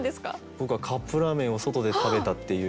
僕はカップラーメンを外で食べたっていう。